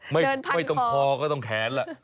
ไม่ต้องคอก็ต้องแขนล่ะ